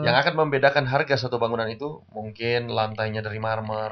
yang akan membedakan harga satu bangunan itu mungkin lantainya dari marmer